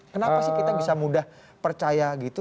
kenapa sih kita bisa mudah percaya gitu